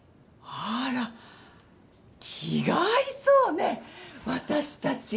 あら気が合いそうね私たち。